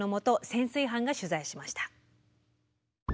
潜水班が取材しました。